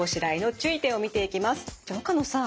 じゃ岡野さん